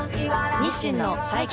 日清の最強